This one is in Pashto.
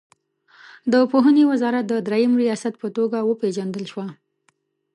د پوهنې وزارت د دریم ریاست په توګه وپېژندل شوه.